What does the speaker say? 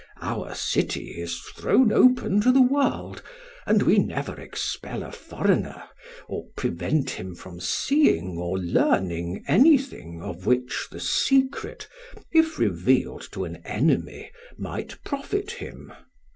Our city is thrown open to the world, and we never expel a foreigner or prevent him from seeing or learning anything of which the secret if revealed to an enemy might profit him.